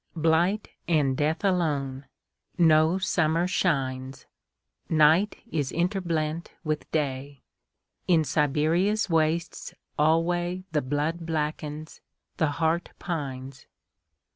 Blight and death alone.No summer shines. Night is interblent with Day.In Siberia's wastes alwayThe blood blackens, the heart pines.